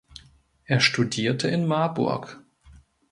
Er studierte in Marburg.